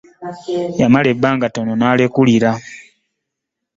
Yamala ebbanga ttono n'alekulira.